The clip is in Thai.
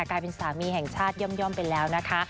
กลายเป็นสามีแห่งชาติย่อมไปแล้วนะคะ